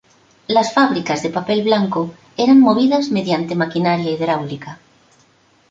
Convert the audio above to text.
Las fábricas de papel blanco eran movidas mediante maquinaria hidráulica.